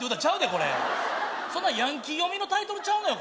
これそんなヤンキー読みのタイトルちゃうのよ